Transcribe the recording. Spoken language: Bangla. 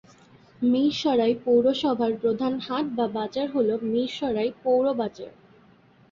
মীরসরাই পৌরসভার প্রধান হাট/বাজার হল মীরসরাই পৌর বাজার।